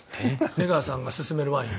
江川さんが勧めるワイン。